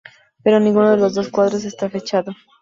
Pero ninguno de los dos cuadros está fechado.